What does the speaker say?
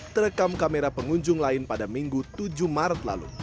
terekam kamera pengunjung lain pada minggu tujuh maret lalu